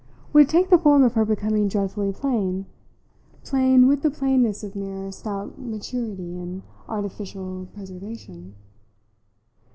Would it take the form of her becoming dreadfully plain plain with the plainness of mere stout maturity and artificial preservation?